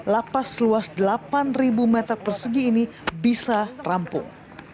lapas seluas delapan meter persegi ini bisa rampung